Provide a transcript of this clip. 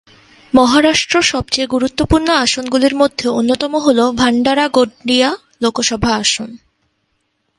মহারাষ্ট্র সবচেয়ে গুরুত্বপূর্ণ আসনগুলির মধ্যে অন্যতম হল ভান্ডারা-গন্ডিয়া লোকসভা আসন।